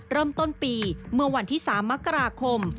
เริ่มต้นปีเมื่อวันที่๓มกราคม